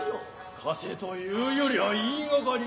貸せというよりゃ云いがかり